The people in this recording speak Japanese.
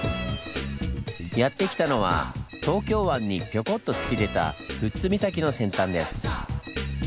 やって来たのは東京湾にぴょこっと突き出た富津岬の先端です。